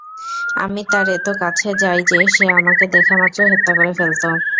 আমি তার এত কাছে যাই যে, সে আমাকে দেখা মাত্রই হত্যা করে ফেলত।